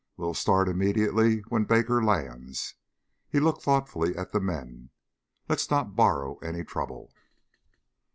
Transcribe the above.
We'll start immediately when Baker lands." He looked thoughtfully at the men. "Let's not borrow any trouble."